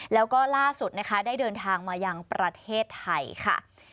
แล้วก็ล่าสุดนะคะได้เดินทางมายังประเทศไทยค่ะ